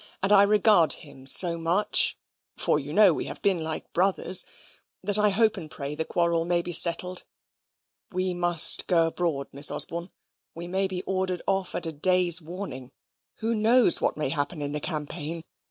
And I regard him so much for you know we have been like brothers that I hope and pray the quarrel may be settled. We must go abroad, Miss Osborne. We may be ordered off at a day's warning. Who knows what may happen in the campaign?